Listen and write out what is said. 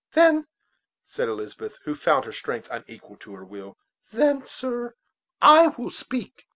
"Then," said Elizabeth, who found her strength unequal to her will, "then, sir, I will speak."